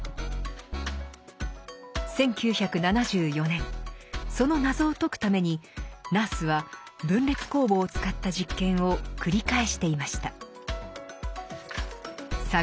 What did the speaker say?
１９７４年その謎を解くためにナースは分裂酵母を使った実験を繰り返していました。